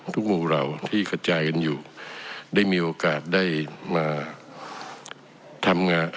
หมู่เหล่าที่กระจายกันอยู่ได้มีโอกาสได้มาทำงาน